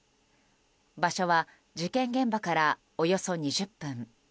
場所は事件現場からおよそ２０分。